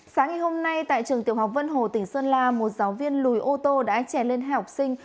sáng ngày hôm nay tại trường tiểu học vân hồ tỉnh sơn la một giáo viên lùi ô tô đã trè lên hai học sinh